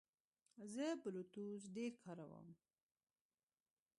زه بلوتوث ډېر کاروم.